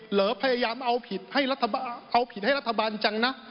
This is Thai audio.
เหลือพยายามเอาผิดให้รัฐบาลจังนะ